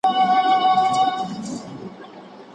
زېری به راوړي د پسرلیو